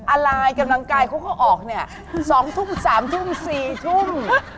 อะไรกำลังกายเขาก็ออกเนี่ย๒ทุ่ม๓ทุ่ม๔ทุ่ม